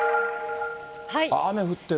雨降ってる。